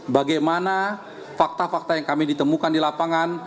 bagaimana fakta fakta yang kami ditemukan di lapangan